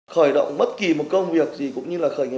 khởi động bất kỳ một công việc gì cũng như là khởi nghiệp